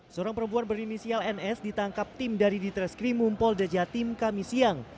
seorang perempuan berinisial ns ditangkap tim dari ditereskrim mumpol dajatim kamisiyang